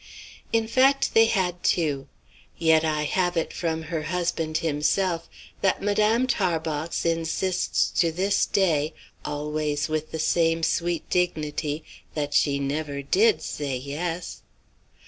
In fact they had two. Yet I have it from her husband himself, that Madame Tarbox insists to this day, always with the same sweet dignity, that she never did say yes.